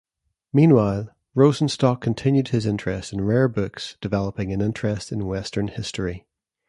Meanwhile, Rosenstock continued his interest in rare books developing an interest in western history.